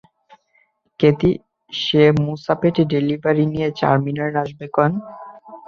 Kathy, সে মুসাপেটে delivery নিয়ে চারমিনার আসবে কেন?